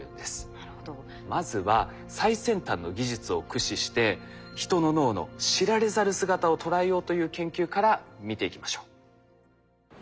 まずは最先端の技術を駆使して人の脳の知られざる姿を捉えようという研究から見ていきましょう。